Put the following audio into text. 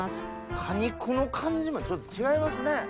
果肉の感じもちょっと違いますね。